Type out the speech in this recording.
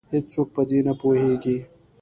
هیڅوک په دې نه پوهیږې